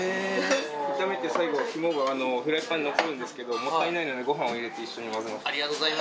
炒めて最後、肝がフライパンに残るんですけど、もったいないのでごはんに入れて一緒に混ぜました。